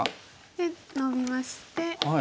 でノビまして。